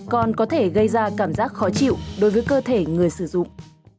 còn có thể gây ra cảm giác khó chịu đối với cơ thể người sử dụng